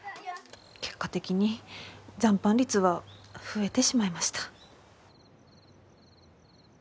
結果的に残飯率は増えてしまいました。